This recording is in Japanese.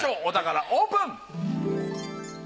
お宝オープン。